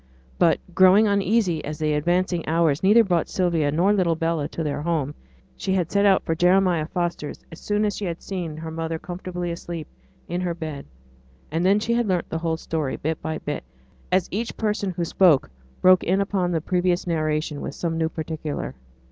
But, growing uneasy as the advancing hours neither brought Sylvia nor little Bella to their home, she had set out for Jeremiah Foster's as soon as she had seen her mother comfortably asleep in her bed; and then she had learnt the whole story, bit by bit, as each person who spoke broke in upon the previous narration with some new particular.